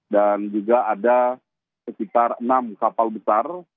dan juga ada sekitar enam kapal besar